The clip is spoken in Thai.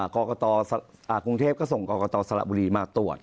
กรกตกรุงเทพก็ส่งกรกตสระบุรีมาตรวจ